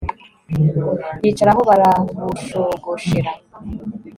yicaraho, barabushogoshera